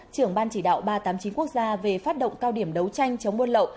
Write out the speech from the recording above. trưởng ban chỉ đạo ba trăm tám mươi chín quốc gia về phát động cao điểm đấu tranh chống buôn lậu